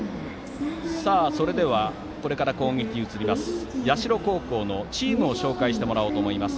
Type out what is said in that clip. それでは、これから攻撃に移る社高校のチームを紹介してもらいます。